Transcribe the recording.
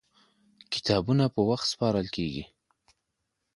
کتابونه په وخت سپارل کېږي.